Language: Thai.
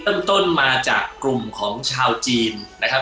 ต้นมาจากกลุ่มของชาวจีนนะครับ